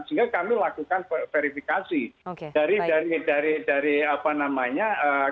sehingga kami lakukan verifikasi dari apa namanya